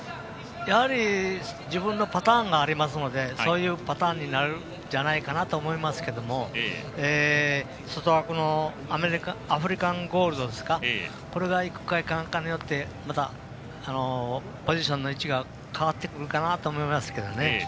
やはり自分のパターンがありますのでそういうパターンになるんじゃないかなと思いますけれども外枠のアフリカンゴールドですかこれがいくか、いかないかによってまたポジションの位置が変わってくるかなと思いますけどね。